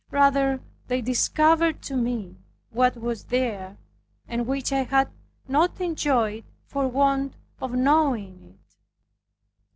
Rather they discovered to me what was there, and which I had not enjoyed for want of knowing it.